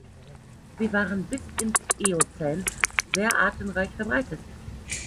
Sie waren bis ins Eozän sehr artenreich verbreitet.